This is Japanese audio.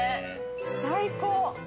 最高！